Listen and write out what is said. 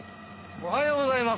おはようございます！